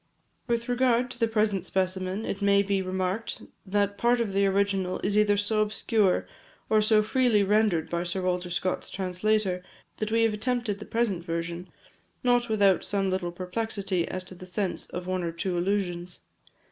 With regard to the present specimen, it may be remarked, that part of the original is either so obscure, or so freely rendered by Sir Walter Scott's translator, that we have attempted the present version, not without some little perplexity as to the sense of one or two allusions.